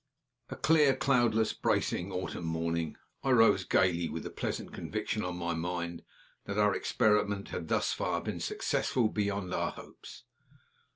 A CLEAR, cloudless, bracing autumn morning. I rose gayly, with the pleasant conviction on my mind that our experiment had thus far been successful beyond our hopes.